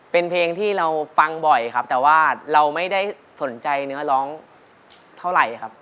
เป็นเพลงที่เราฟังบ่อยครับแต่ว่าเราไม่ได้สนใจเนื้อร้องเท่าไหร่ครับ